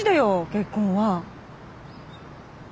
結婚は。